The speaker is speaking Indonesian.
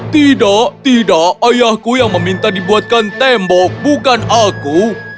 tidak tidak ayahku yang meminta dibuatkan tembok bukan aku